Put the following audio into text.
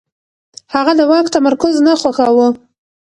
هغه د واک تمرکز نه خوښاوه.